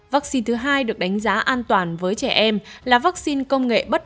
vaccine thứ hai được đánh giá an toàn với trẻ em là vaccine công nghệ bất